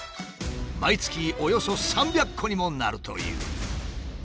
毎月およそ３００個にもなるという。